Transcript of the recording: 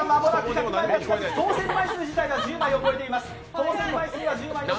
当選枚数は１０枚を超えています。